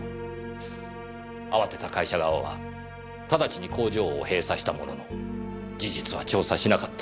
慌てた会社側は直ちに工場を閉鎖したものの事実は調査しなかった。